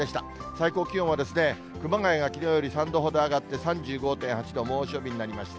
最高気温は、熊谷がきのうより３度ほど上がって３５．８度、猛暑日になりました。